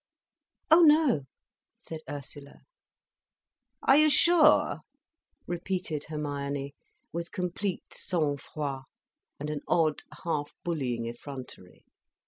"Oh no," said Ursula. "Are you sure?" repeated Hermione, with complete sang froid, and an odd, half bullying effrontery.